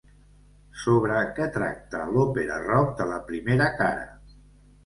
Sobre què tracta l'òpera rock de la primera cara?